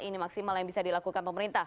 ini maksimal yang bisa dilakukan pemerintah